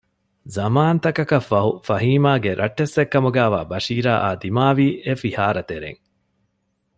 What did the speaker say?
ޒަމާންތަކަކަށްފަހު ފަހީމާގެ ރައްޓެއްސެއް ކަމުގައިވާ ބަޝީރާއާ ދިމާވީ އެފިހާރަ ތެރެއިން